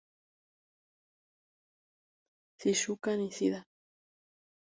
Shizuka Nishida